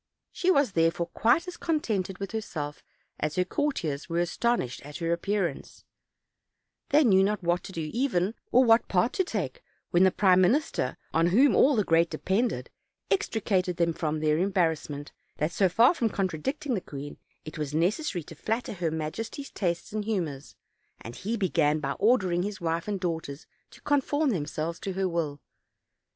She was, therefore, quite as contented with herself as her courtiers were astonished at her ap pearance; they knew not what to do even, or what part to take, when the prime minister, on whom all the great depended, extricated them from their embarrassment, ana decided that, so far from contradicting the queen, it 354 OLD, OLD FAIRY TALES. was necessary to flatter her majesty's tastes and humors; and he began by ordering his wife and daughters to con form themselves to her will.